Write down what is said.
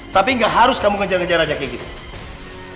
tapi gak harus kamu ngejar ngejar raja kayak gitu